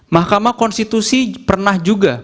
mahkamah konstitusi pernah juga